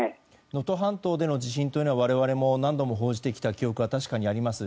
能登半島での地震というのは我々も何度も報じてきた記憶は確かにあります。